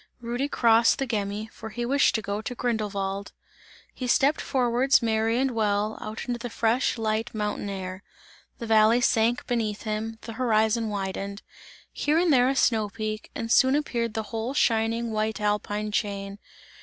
Rudy crossed the Gemmi, for he wished to go to Grindelwald. He stepped forwards merry and well, out into the fresh, light mountain air. The valley sank beneath him, the horizon widened; here and there a snow peak, and soon appeared the whole shining white alpine chain.